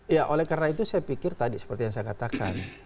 ya oleh karena itu saya pikir tadi seperti yang saya katakan